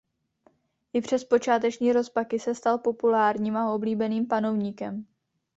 I přes počáteční rozpaky se stal populárním a oblíbeným panovníkem.